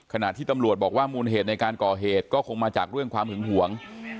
ขณะที่ตำรวจบอกว่ามูลเหตุในการก่อเหตุก็คงมาจากเรื่องความหึงหวง